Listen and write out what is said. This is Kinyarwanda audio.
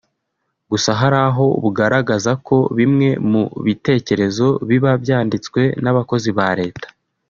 Gusa hari aho bugaragaza ko bimwe mu bitekerezo biba byanditswe n’abakozi ba Leta